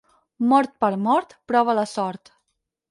Mort per mort, prova la sort.